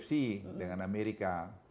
idf dengan amerika